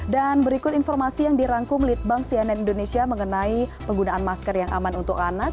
dan berikut informasi yang dirangkum litbang cnn indonesia mengenai penggunaan masker yang aman untuk anak